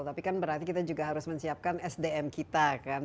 tapi kan berarti kita juga harus menyiapkan sdm kita kan